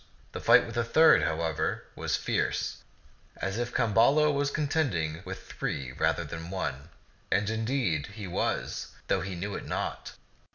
The fight with the third, however, was as fierce as if Camballo was contending with three rather than one ; and, indeed, he was, though he knew it not.